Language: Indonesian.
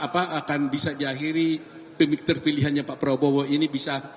akan bisa diakhiri pemikir pilihannya pak prabowo ini bisa